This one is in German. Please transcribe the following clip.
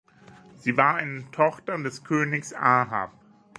Sie war eine Tochter des Königs Ahab.